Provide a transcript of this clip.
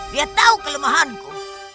dia tahu kelemahanku